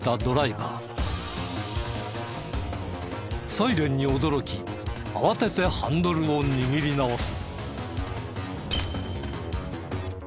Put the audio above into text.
サイレンに驚き慌ててハンドルを握り直す。